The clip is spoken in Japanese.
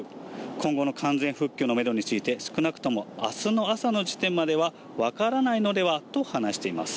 今後の完全復旧のメドについて、少なくともあすの朝の時点までは分からないのではと話しています。